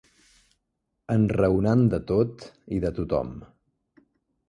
Enraonant de tot i de tot-hom